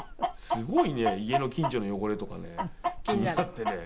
すごいね家の近所の汚れとかね気になってね。